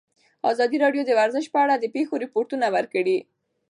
ازادي راډیو د ورزش په اړه د پېښو رپوټونه ورکړي.